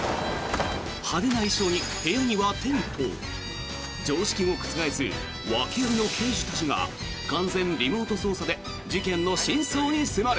派手な衣装に部屋にはテント常識を覆す訳ありの刑事たちが完全リモート捜査で事件の真相に迫る。